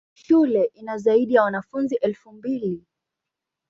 Shule ina zaidi ya wanafunzi elfu mbili.